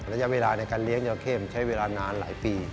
ระยะเวลาในการเลี้ยงยาเข้มใช้เวลานานหลายปี